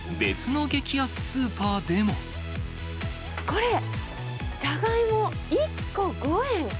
これ、じゃがいも１個５円。